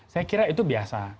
saya kira itu biasa